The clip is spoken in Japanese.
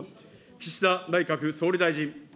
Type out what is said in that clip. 岸田内閣総理大臣。